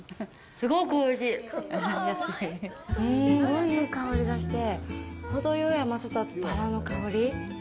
すんごいいい香りがして、ほどよい甘さとバラの香り。